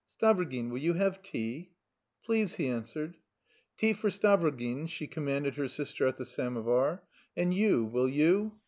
"Stavrogin, will you have tea?" "Please," he answered. "Tea for Stavrogin," she commanded her sister at the samovar. "And you, will you?"